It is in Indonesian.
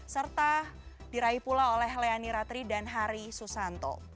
serta diraih pula oleh leani ratri dan hari susanto